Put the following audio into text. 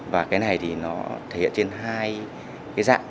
và cái này thì nó thể hiện trên hai cái dạng